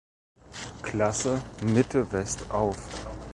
Klasse Mitte-West auf.